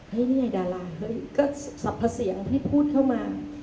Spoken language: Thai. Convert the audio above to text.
เนี่ยดาราเฮ้ยก็สรรพเสียงให้พูดเข้ามา